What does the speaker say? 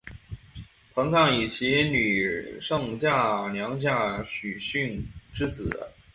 彭抗以其女胜娘嫁许逊之子。